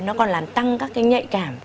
nó còn làm tăng các cái nhạy cảm